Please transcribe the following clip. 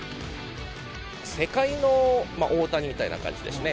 世界の大谷みたいな感じですね。